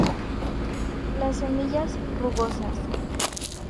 Las semillas rugosas.